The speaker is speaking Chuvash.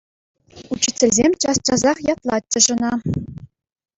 Учительсем час-часах ятлатчӗҫ ӑна.